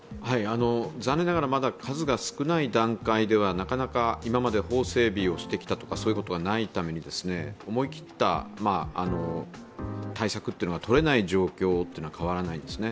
残念ながら、まだ数が少ない段階では、今まで法整備などしたことがないためにそういうことがないために思い切った対策がとれない状況というのは変わらないんですね。